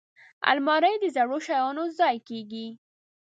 الماري د زړو شیانو ځای کېږي